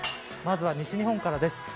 まずは西日本からです。